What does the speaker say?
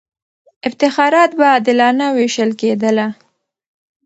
افتخارات به عادلانه وېشل کېدله.